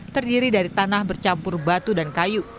terdiri dari tanah bercampur batu dan kayu